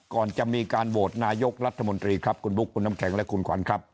ก่อนจะมีการโหวตนายกรัฐมนตรีครับคุณบุ๊คคุณน้ำแข็งและคุณขวัญครับ